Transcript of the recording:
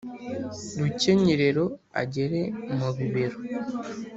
Rukenyerero agere mu bibero